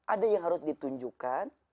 ada yang harus ditunjukkan